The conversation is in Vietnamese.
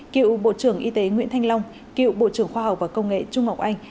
cựu bộ trưởng y tế nguyễn thanh long cựu bộ trưởng khoa học và công nghệ trung ngọc anh